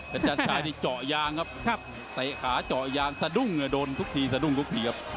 เป็นจันทรายนี่เจาะยางครับเตะขาเจาะยางสะดุ้งโดนทุกทีสะดุ้งทุกทีครับ